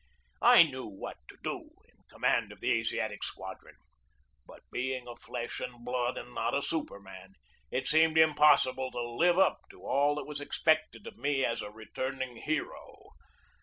I knew what to do in command of the Asiatic Squadron, but being of flesh and blood and not a superman, it seemed impossible to live up to all that was expected of me as a returning hero.